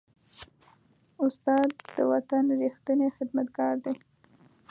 استاد د وطن ریښتینی خدمتګار دی.